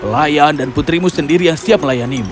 pelayan dan putrimu sendiri yang siap melayani mu